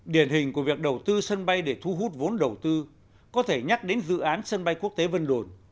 điển hình của việc đầu tư sân bay để thu hút vốn đầu tư có thể nhắc đến dự án sân bay quốc tế vân đồn